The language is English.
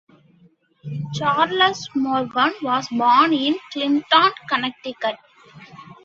Charles Morgan was born in Clinton, Connecticut.